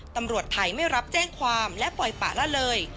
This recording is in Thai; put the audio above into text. ตำรวจไทยไม่รับแจ้งความและปล่อยปะละเลย